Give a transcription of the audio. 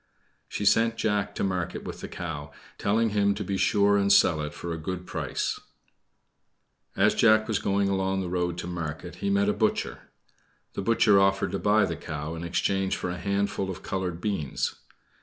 She sent Jack to market with the cow, telling him to be sure and sell it for a good price. As Jack was going along the road to market he met a butcher. The butcher offered to buy the cow in exchange for a hatful of colored beans.